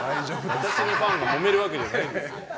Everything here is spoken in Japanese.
私のファンがもめるわけないです。